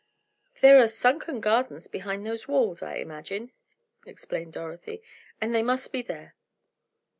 "There are sunken gardens behind those walls, I imagine," explained Dorothy, "and they must be there."